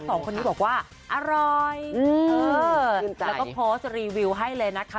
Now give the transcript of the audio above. สองคนนี้บอกว่าอร่อยแล้วก็โพสต์รีวิวให้เลยนะคะ